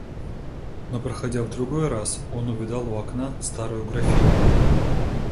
Но проходя в другой раз, он увидал у окна старую графиню.